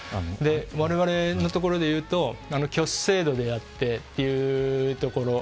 われわれのところで言うと挙手制度でやってというところ。